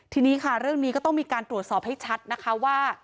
ทีนี้ค่ะเรื่องนี้ก็ต้องมีการตรวจสอบให้ชัดนะคะว่า